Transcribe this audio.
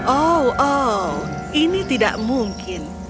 oh oh ini tidak mungkin